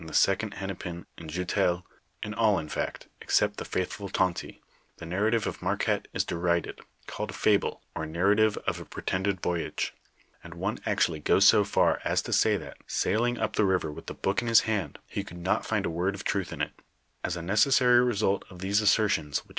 i bnt in Le Cleicq niul tliose wliom lie cites, in the Bccond Hennepin, in Jontel, in all in fact, except the faithful Tonty, the narrative of Man^uotte 'is derided, called a fable, or nar rative of a pretended voyage ; and one actually goes so far as to say that, sailing up the river with the book in his hand, he could not find a word of truth in it. As a necessary result of these assert'ons which f